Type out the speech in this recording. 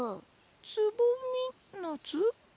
つぼみナツ？